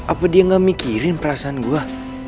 apa dia gak mikirin perasaan gue